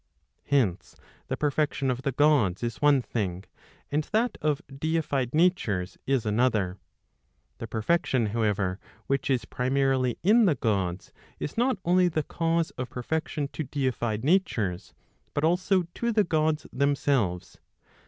Hence the perfection of the Gods is one thing, and that of deified natures is another. The perfection however, which is primarily in the Gods, is not only the cause of perfection to deified natures, but also to the Gods themselves.